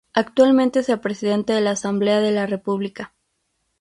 Actualmente es el presidente de la Asamblea de la República.